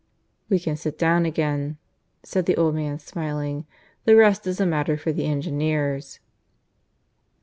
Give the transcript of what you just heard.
"We can sit down again," said the old man, smiling. "The rest is a matter for the engineers."